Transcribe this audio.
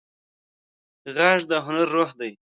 غږ د هنر روح دی